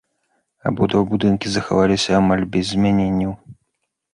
Абодва будынкі захаваліся амаль без змяненняў.